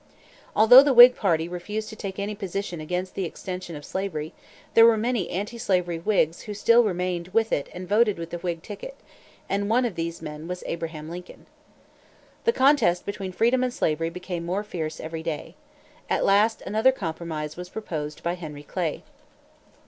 Although the Whig party refused to take any position against the extension of slavery, there were many anti slavery Whigs who still remained with it and voted the Whig ticket and one of these men was Abraham Lincoln. The contest between freedom and slavery became more fierce every day. At last another compromise was proposed by Henry Clay.